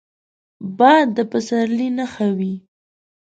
باد د پسرلي نښه وي